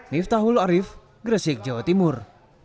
niftahul arif gresik jawa timur